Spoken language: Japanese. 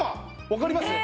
わかります？